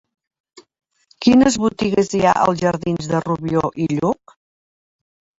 Quines botigues hi ha als jardins de Rubió i Lluch?